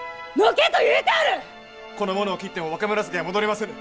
この者を斬っても若紫は戻りませぬ！